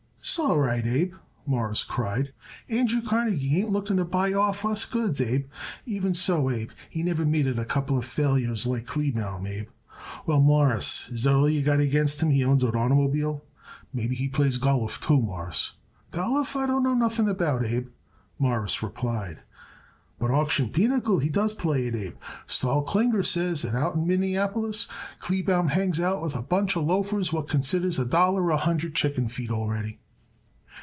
"S'all right, Abe," Morris cried. "Andrew Carnegie ain't looking to buy off us goods, Abe, and even so, Abe, he never made it a couple of failures like Kleebaum, Abe." "Well, Mawruss, is that all you got against him that he owns an oitermobile? Maybe he plays golluf, too, Mawruss." "Golluf I don't know nothing about, Abe," Morris replied, "but auction pinochle he does play it, Abe. Sol Klinger says that out in Minneapolis Kleebaum hangs out with a bunch of loafers what considers a dollar a hundred chicken feed already."